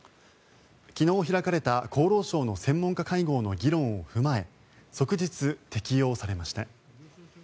昨日開かれた、厚労省の専門家会合の議論を踏まえ即日適用されました。